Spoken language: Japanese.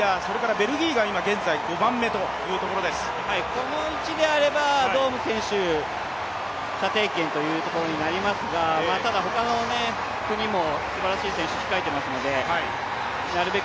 この位置であればドーム選手、射程圏というところになりますがただ他の国もすばらしい選手、控えていますのでなるべく